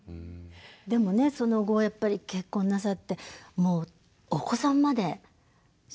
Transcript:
でもねその後やっぱり結婚なさってお子さんまで出産なさった。